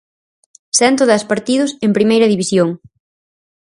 Cento dez partidos en Primeira División.